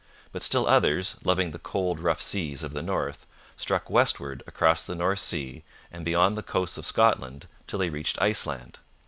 But still others, loving the cold rough seas of the north, struck westward across the North Sea and beyond the coasts of Scotland till they reached Iceland.